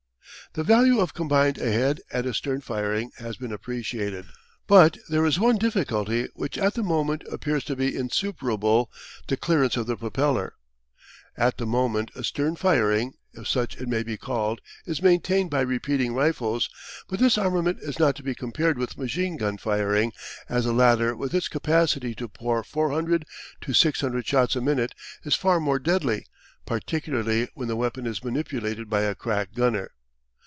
The value of combined ahead and astern firing has been appreciated, but there is one difficulty which at the moment appears to be insuperable the clearance of the propeller. At the moment astern firing, if such it may be called, is maintained by repeating rifles, but this armament is not to be compared with machine gun firing, as the latter with its capacity to pour 400 to 600 shots a minute, is far more deadly, particularly when the weapon is manipulated by a crack gunner.